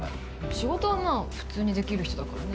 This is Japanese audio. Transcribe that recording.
仕事はまぁ普通にできる人だからね。